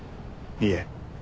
いいえ